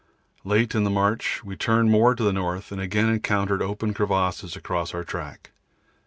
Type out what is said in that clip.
Late in the march we turned more to the north and again encountered open crevasses across our track.